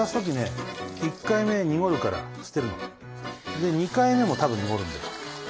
で２回目もたぶん濁るんだよ。